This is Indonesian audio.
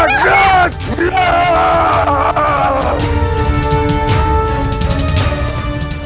kepala kujang kempar